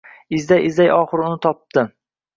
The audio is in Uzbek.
Izlay-izlay oxiri uni topibdi